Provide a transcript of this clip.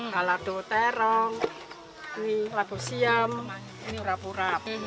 kalado terong lapu siam ini rapu rap